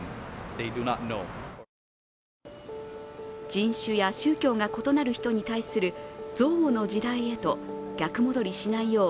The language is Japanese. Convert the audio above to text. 人種や宗教が異なる人に対する憎悪の時代へと逆戻りしないよう